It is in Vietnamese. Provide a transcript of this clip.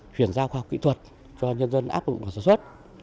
chuyển giao khoa học kỹ thuật cho nhân dân áp ụng sản xuất